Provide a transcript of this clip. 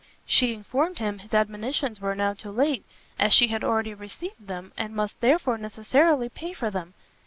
She informed him his admonitions were now too late, as she had already received them, and must therefore necessarily pay for them.